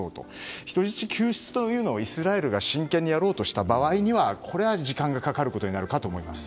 人質救出というのはイスラエルが真剣にやろうとした場合には時間がかかることになるかと思います。